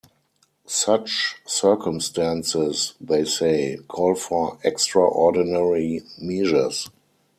Such circumstances, they say, call for extraordinary measures.